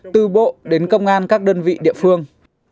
từ bộ đến công an các đơn vị địa phương